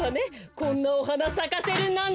こんなおはなさかせるなんて。